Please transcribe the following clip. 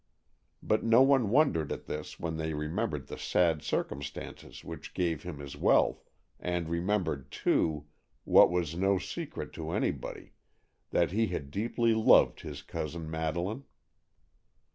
But no one wondered at this when they remembered the sad circumstances which gave him his wealth, and remembered, too, what was no secret to anybody, that he had deeply loved his cousin Madeleine.